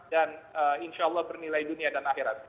dan insya allah bernilai dunia dan akhirat